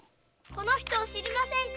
この人を知りませんか？